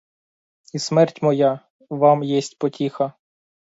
І смерть моя вам єсть потіха;